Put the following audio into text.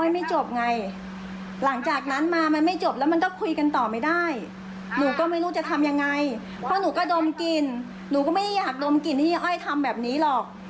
ไม่ต้องลองหน้ากันถ้าเราเคลียร์กันแล้วจบแล้วก็ไม่มีปัญหาการ